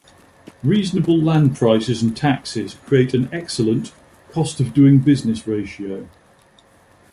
Reasonable land prices and taxes create an excellent "cost of doing business ratio".